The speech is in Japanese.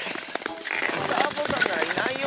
サボさんならいないよ。